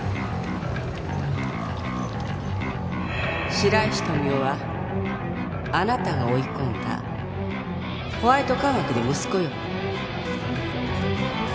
白石富生はあなたが追い込んだホワイト化学の息子よ。